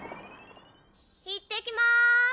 いってきます。